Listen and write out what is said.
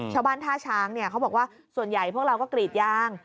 ชาวบ้านท่าช้างเขาบอกว่าส่วนใหญ่พวกเราก็กรีดยาง